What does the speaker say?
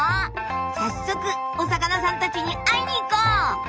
早速お魚さんたちに会いに行こう！